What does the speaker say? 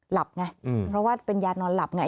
หลับไงเพราะว่าเป็นยานอนหลับไง